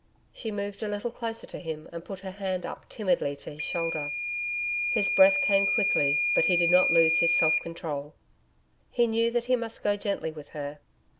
She moved a little closer to him and put her hand up, timidly, to his shoulder. His breath came quickly, but he did not lose his self control. He knew that he must go gently with her.